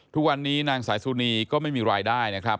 ทุกวันนี้นางสายสุนีก็ไม่มีรายได้นะครับ